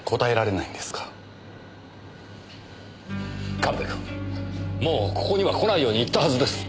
神戸君もうここには来ないように言ったはずです！